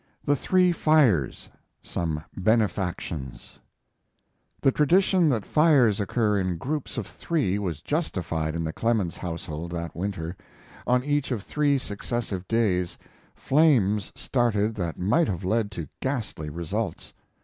THE THREE FIRES SOME BENEFACTIONS The tradition that fires occur in groups of three was justified in the Clemens household that winter. On each of three successive days flames started that might have led to ghastly results.